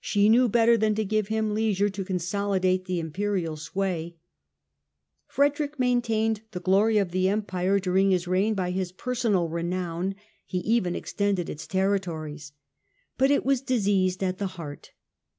She knew better than to give him leisure to consolidate the Imperial sway. Frederick maintained the glory of the Empire during his reign by his personal renown : he even extended its territories. But it was diseased at the heart.